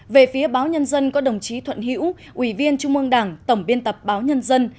về phía báo nhân dân có đồng chí thuận hiễu ủy viên trung mương đảng tổng biên tập báo nhân dân